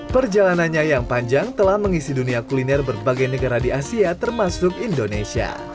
perjalanannya yang panjang telah mengisi dunia kuliner berbagai negara di asia termasuk indonesia